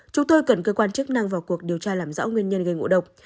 chúng tôi cần cơ quan chức năng vào cuộc điều tra làm rõ nguyên nhân gây ngộ độc